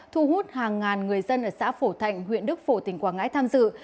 thu hút hàng ngàn người dân ở xã phổ thạnh huyện đức phổ tỉnh quảng ngãi tham dự